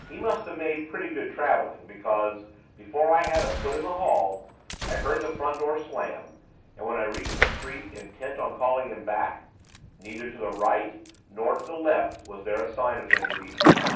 He must have made pretty good travelling, because, before I had a foot in the hall, I heard the front door slam, and, when I reached the street, intent on calling him back, neither to the right nor to the left was there a sign of him to be seen.